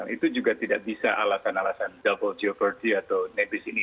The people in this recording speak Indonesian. itu juga tidak bisa alasan alasan double jeopardy atau nebis in idem sepanjang itu